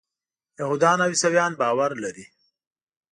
یهودان او عیسویان باور لري.